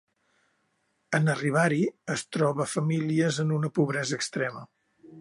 En arribar-hi es troba famílies en una pobresa extrema.